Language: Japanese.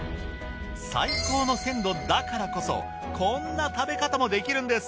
最高の鮮度だからこそこんな食べ方もできるんです。